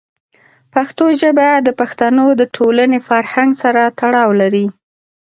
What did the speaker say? پښتو ژبه د پښتنو د ټولنې فرهنګ سره تړاو لري.